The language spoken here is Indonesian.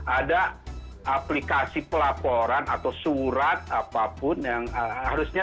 ada aplikasi pelaporan atau surat apapun yang harusnya